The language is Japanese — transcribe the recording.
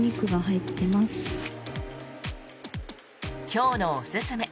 今日のおすすめ